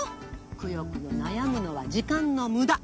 くよくよ悩むのは時間の無駄。